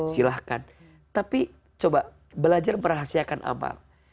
silahkan tapi coba belajar merahasiakan amal